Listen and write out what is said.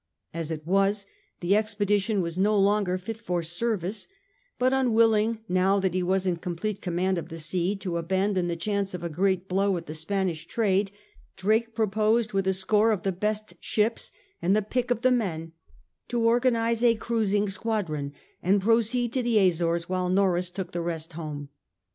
As it was, the expedition was no longer fit for service, but unwilling, now that he was in complete command of the sea, to abandon the chance of a great blow at the Spanish trade, Drake proposed with a score of the best ships and the pick of the men to organise a cruising squadron and proceed to the Azores while Norreys took the rest home.